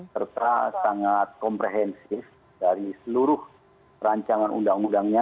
serta sangat komprehensif dari seluruh rancangan undang undangnya